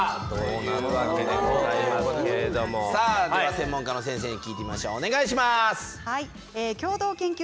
専門家の先生に聞いてみましょう。